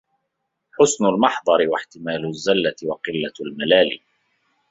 حُسْنُ الْمَحْضَرِ وَاحْتِمَالُ الزَّلَّةِ وَقِلَّةُ الْمَلَالِ